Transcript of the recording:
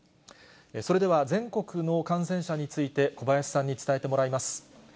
それでは全国の感染者について、小林さんに伝えてもらいます。